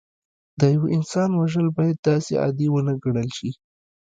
د یو انسان وژل باید داسې عادي ونه ګڼل شي